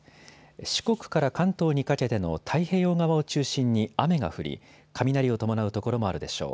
四国から関東にかけての太平洋側を中心に雨が降り雷を伴う所もあるでしょう。